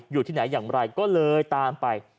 อยู่ที่ไหนอย่างไรก็เลยตามไป